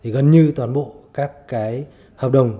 gần như toàn bộ các hợp đồng